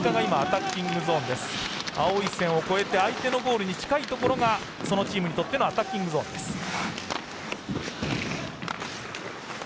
青い線を越えて相手のゴールに近いところがそのチームにとってのアタッキングゾーンです。